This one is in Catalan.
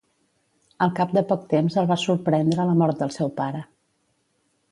Al cap de poc temps el va sorprendre la mort del seu pare.